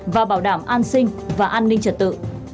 và bảo đảm an sinh và an ninh trật tự